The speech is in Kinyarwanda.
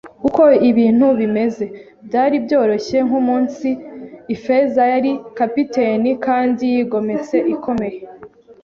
uko ibintu bimeze. Byari byoroshye nkumunsi. Ifeza yari kapiteni, kandi yigometse ikomeye